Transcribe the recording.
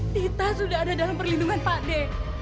kita sudah ada dalam perlindungan pak d